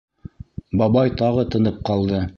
Бабай тағы тынып ҡалды.